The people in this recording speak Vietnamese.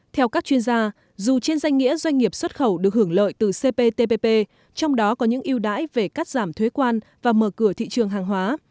theo các chuyên gia dù trên danh nghĩa doanh nghiệp xuất khẩu được hưởng lợi từ cptpp trong đó có những yêu đãi về cắt giảm thuế quan và mở cửa thị trường hàng hóa